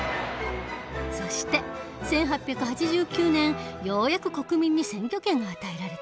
そして１８８９年ようやく国民に選挙権が与えられた。